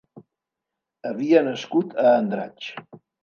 Havia nascut a Andratx.